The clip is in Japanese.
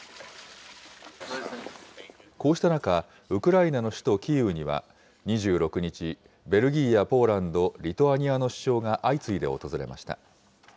こうした中、ウクライナの首都キーウには、２６日、ベルギーやポーランド、リトアニアの首相が相次いで訪れました。